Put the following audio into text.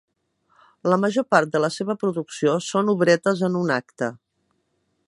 La major part de la seva producció són obretes en un acte.